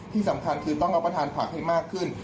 ที่สำคัญคือต้องรับประทานผักให้มากขึ้น